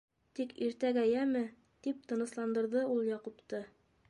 Тик иртәгә, йәме? - тип тынысландырҙы ул Яҡупты.